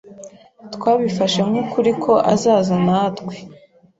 Twabifashe nk'ukuri ko azaza natwe.